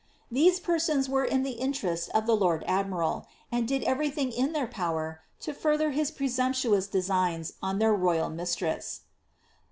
These persons were in the interest of the lord admiral, and did every tiling in tlieir power to further his presumptuous designs on their royal mistress.